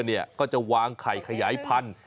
ชาวบ้านจะวางไข่ขยายพันธุ์